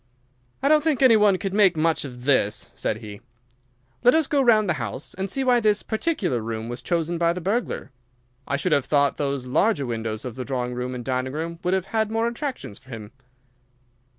"I don't think any one could make much of this," said he. "Let us go round the house and see why this particular room was chosen by the burglar. I should have thought those larger windows of the drawing room and dining room would have had more attractions for him."